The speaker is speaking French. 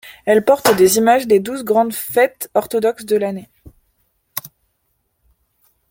Elles portent des images des douze grandes fêtes orthodoxes de l'année.